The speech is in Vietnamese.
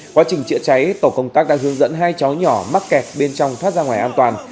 quá trình chữa cháy tổ công tác đã hướng dẫn hai cháu nhỏ mắc kẹt bên trong thoát ra ngoài an toàn